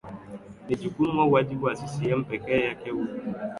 ni jukumu au wajibu wa ccm pekee yake au